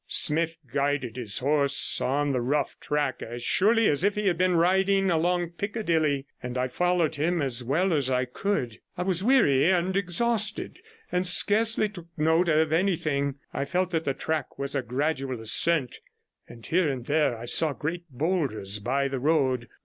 Smith guided his horse on the rough track as surely as if he had been riding along Piccadilly, and I followed him as well as I could. I was weary and exhausted, and scarcely took note of anything; I felt that the track was a gradual ascent, and here and there I saw great boulders by the road.